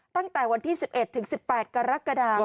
ตั้งแต่วันที่๑๑ถึง๑๘กรกฎา